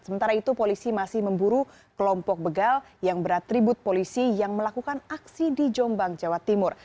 sementara itu polisi masih memburu kelompok begal yang beratribut polisi yang melakukan aksi di jombang jawa timur